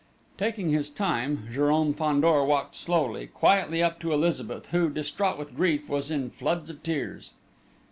Taking his time, Jérôme Fandor walked slowly, quietly up to Elizabeth who, distraught with grief, was in floods of tears.